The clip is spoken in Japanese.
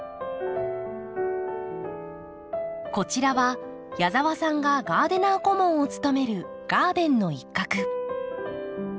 こちらは矢澤さんがガーデナー顧問を務めるガーデンの一画。